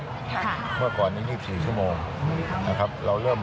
๖โมงเช้า๙โมง๑๑โมงถึงบ่ายเฉิง๔โมงเย็น๒ทุ่ม